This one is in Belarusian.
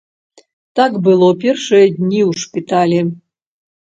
Так было першыя дні ў шпіталі.